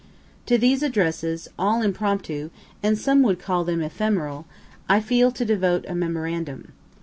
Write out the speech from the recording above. To these addresses all impromptu, and some would call them ephemeral I feel to devote a memorandum.